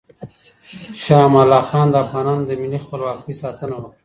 شاه امان الله خان د افغانانو د ملي خپلواکۍ ساتنه وکړه.